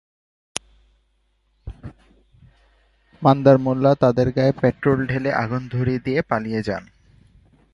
মান্দার মোল্লা তাদের গায়ে পেট্রল ঢেলে আগুন ধরিয়ে দিয়ে পালিয়ে যান।